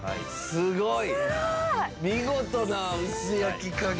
すごーい！